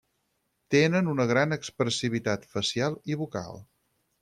Tenen una gran expressivitat facial i vocal.